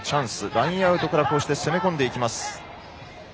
ラインアウトから攻め込んでいきます。